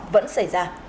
vẫn xảy ra